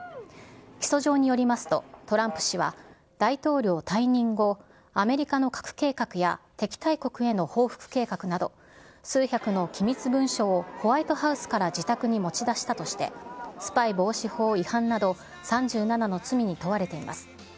起訴状によりますと、トランプ氏は大統領退任後、アメリカの核計画や敵対国への報復計画など、数百の機密文書をホワイトハウスから自宅に持ち出したとして、スパイ防止法違反など３７の罪に問われています。